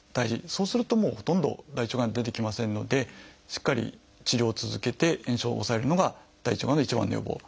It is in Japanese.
そうするともうほとんど大腸がん出てきませんのでしっかり治療を続けて炎症を抑えるのが大腸がんの一番の予防。